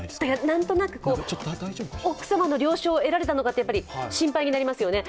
なんとなく奥様の了承を得られたのか、心配になりますよね。